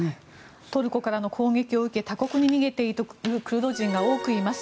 トルコからの攻撃を受け他国に逃げているクルド人が多くいます。